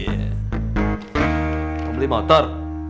kau beli motor